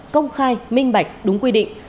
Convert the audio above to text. công khai minh bạch đúng quy định